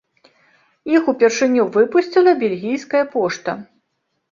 Іх упершыню выпусціла бельгійская пошта.